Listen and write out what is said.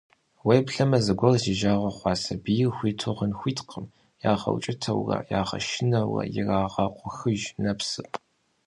Уеблэмэ зыгуэр зи жагъуэ хъуа сабийр хуиту гъыну хуиткъым, ягъэукӀытэурэ, ягъэшынэурэ ирагъэкъухыж нэпсыр.